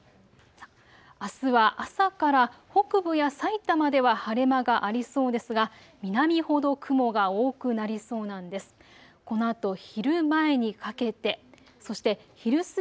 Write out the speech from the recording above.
あすは朝から北部やさいたまでは晴れ間がありそうですが南ほど雲が多くなりそうなんです。